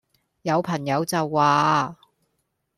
有朋友就話